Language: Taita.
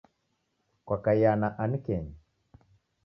Kwakaia na ani kenyu?